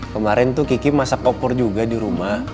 kemarin tuh kiki masak opor juga di rumah